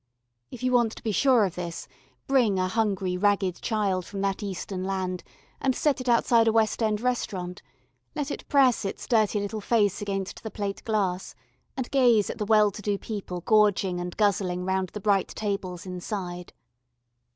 If you want to be sure of this, bring a hungry, ragged child from that Eastern land and set it outside a West End restaurant; let it press its dirty little face against the plate glass and gaze at the well to do people gorging and guzzling round the bright tables inside.